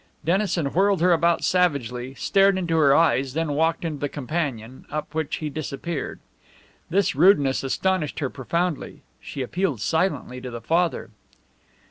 Dennison whirled her about savagely, stared into her eyes, then walked to the companion, up which he disappeared. This rudeness astonished her profoundly. She appealed silently to the father.